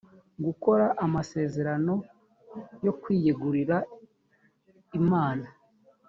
gukora amasezerano yo kwiyegurira imana